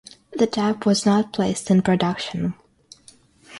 The type was not placed in production.